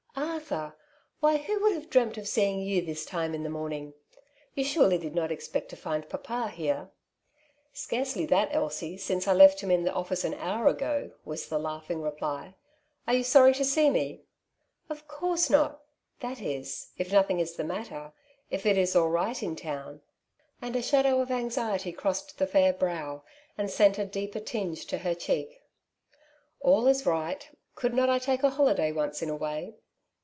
'^ Arthur ! why who would have dreamt of seeing you this time in the morning ? You surely did not expect to find papa here ?'^ "Scarcely that, Elsie, since I left him in the office an hour ago,'' was the laughing reply. '^ Are you sorry to see me ?"^^ Of course not ; that is, if nothing is the matter —if aU. is right in town.'' And a shadow of anxiety crossed the fair brow, and sent a deeper tinge to her cheek. " All is right. Could not I take holiday once in a way